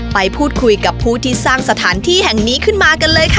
ไปพูดคุยกับผู้ที่สร้างสถานที่แห่งนี้ขึ้นมากันเลยค่ะ